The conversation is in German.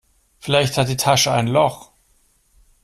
Vielleicht hat die Tasche ein Loch.